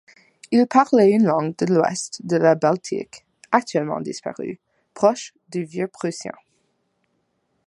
Ils parlaient une langue de l'ouest de la Baltique, actuellement disparue, proche du vieux-prussien.